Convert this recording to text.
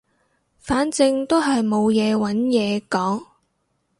反正都係冇嘢揾嘢講